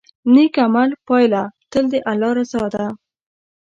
د نیک عمل پایله تل د الله رضا ده.